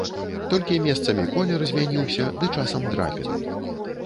Толькі месцамі колер змяніўся ды часам драпіны.